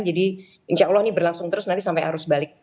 jadi insya allah ini berlangsung terus nanti sampai arus balik